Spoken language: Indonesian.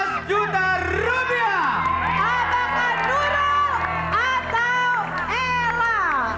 apakah nurul atau ella